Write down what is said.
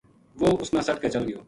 وہ اس نا سَٹ کے چل گیو